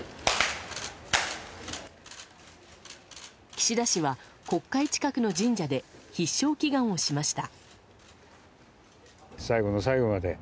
岸田氏は、国会近くの神社で必勝祈願をしました。